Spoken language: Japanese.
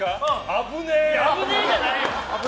危ねえじゃないよ。